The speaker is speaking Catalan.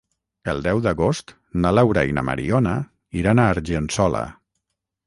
El deu d'agost na Laura i na Mariona iran a Argençola.